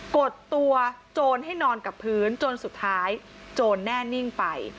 กดตัวโจรให้นอนกับพื้นจนสุดท้ายโจรแน่นิ่งไป